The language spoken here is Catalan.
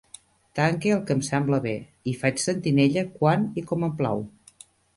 Tanque el que em sembla bé, i faig sentinella quan i com em plau.